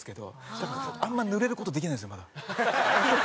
だからあんま濡れる事できないんですよまだ。